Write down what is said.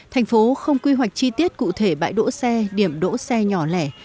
thành phố không quy hoạch chi tiết cụ thể bãi đỗ xe điểm đỗ xe nhỏ lẻ